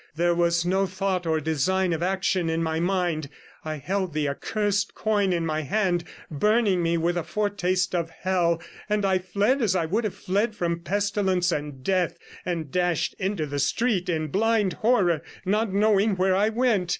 There was no thought or design of action in my mind. I held the accursed coin in my hand, burning me with a foretaste of hell, and I fled as I would have fled from pestilence and death, and dashed into the street in blind horror, not knowing where I went.